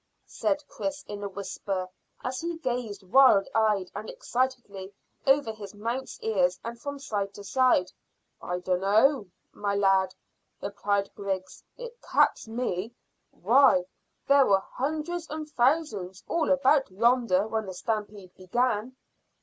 said Chris, in a whisper, as he gazed wild eyed and excitedly over his mount's ears and from side to side. "I dunno, my lad," replied Griggs. "It caps me. Why, there were hundreds and thousands all about yonder when the stampede began."